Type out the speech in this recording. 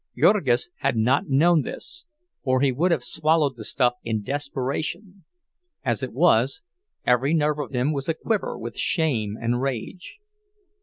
Jurgis had not known this, or he would have swallowed the stuff in desperation; as it was, every nerve of him was a quiver with shame and rage.